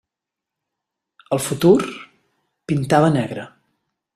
El futur pintava negre.